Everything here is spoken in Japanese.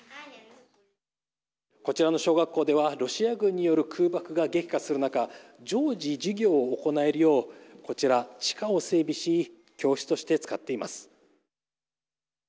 こちらの小学校ではロシア軍による空爆が激化する中常時授業が行えるようこちら地下を整備し教室として使っています。